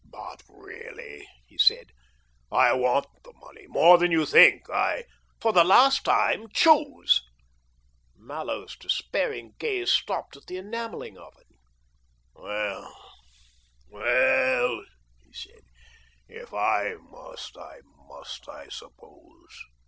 But really," he said, " I want the money more than you think. I "" For the last time — choose !" Mallows' s despairing gaze stopped at the enamelling oven. "Well, well," he said, "if I must, I must, I suppose.